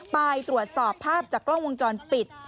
ไปตรวจสอบภาพจากกล้องวงจรปิด